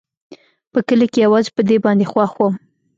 په کلي کښې يوازې په دې باندې خوښ وم.